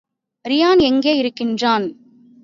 Ryan எங்கே யிருக்கிறான்?